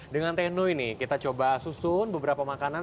dengan teno ini kita coba susun beberapa makanan